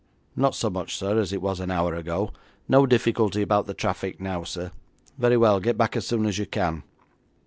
'Not so much, sir, as it was an hour ago. No difficulty about the traffic now, sir.' 'Very well, get back as soon as you can.'